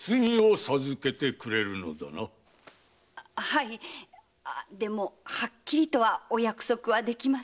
はいでもはっきりとはお約束はできませんが。